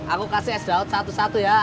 aku kasih es daud satu satu ya